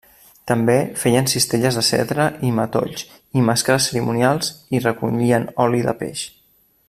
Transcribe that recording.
També feien cistelles de cedre i matolls i màscares cerimonials, i recollien oli de peix.